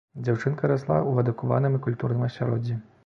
Дзяўчынка расла ў адукаваным і культурным асяроддзі.